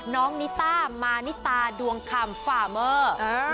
น้องนิตามานิตาดวงคำฝ่าเมอร์เออ